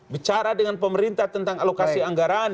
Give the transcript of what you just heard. bicara dengan pemerintah tentang alokasi anggaran